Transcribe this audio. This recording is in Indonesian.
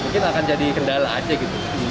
mungkin akan jadi kendala aja gitu